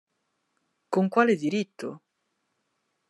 Con quale diritto?